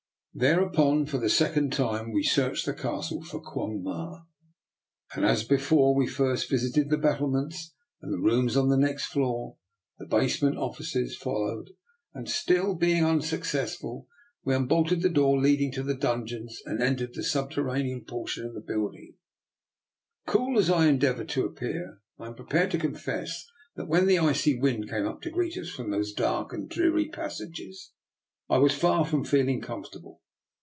Thereupon, for the second time we searched the Castle for Quong Ma. As be fore, we first visited the battlements and the rooms on the next floor, the basement offices DR. NIKOLA'S EXPERIMENT. 279 followed, and still being unsuccessful, we un bolted the door leading to the dungeons and entered the subterranean portion of the build ing. Cool as I endeavoured to appear, I am prepared to confess that, when the icy wind came up to greet us from those dark and dreary passages, I was far from feeling com fortable.